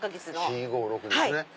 ４５６ですね。